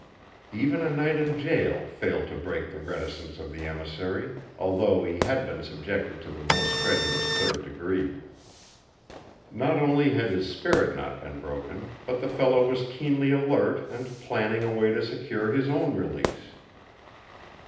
Even a night in jail failed to break the reticence of the emissary, although he had been subjected to the most strenuous third degree. Not only had his spirit not been broken, but the fellow was keenly alert and planning a way to secure his own release.